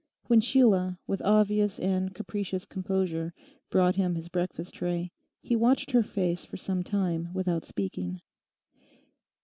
When Sheila, with obvious and capacious composure, brought him his breakfast tray, he watched her face for some time without speaking.